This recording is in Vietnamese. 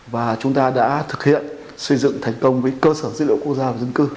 và chúng ta đã thực hiện xây dựng thành công với cơ sở dữ liệu quốc gia và dân cư